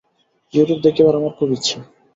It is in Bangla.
ইউরোপ দেখিবার আমার খুব ইচ্ছা।